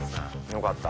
よかった。